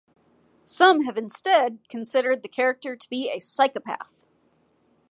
Some have instead considered the character to be a psychopath.